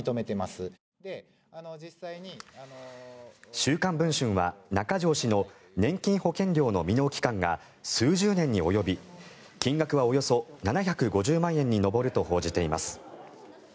「週刊文春」は中条氏の年金保険料の未納期間が数十年に及び金額はおよそ７５０万円に上ると報じています。